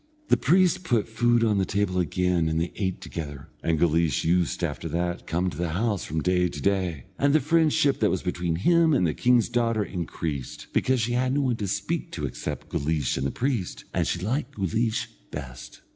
The priest put food on the table again and they ate together, and Guleesh used after that to come to the house from day to day, and the friendship that was between him and the king's daughter increased, because she had no one to speak to except Guleesh and the priest, and she liked Guleesh best.